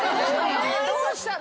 どうしたの？